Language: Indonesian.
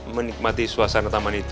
menikmati suasana taman itu